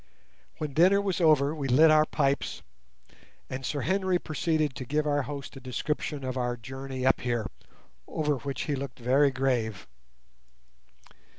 When dinner was over we lit our pipes, and Sir Henry proceeded to give our host a description of our journey up here, over which he looked very grave.